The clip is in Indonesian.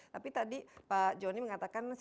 tapi tadi pak joni mengatakan